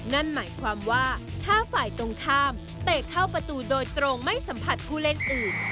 นั่นหมายความว่าถ้าฝ่ายตรงข้ามเตะเข้าประตูโดยตรงไม่สัมผัสผู้เล่นอื่น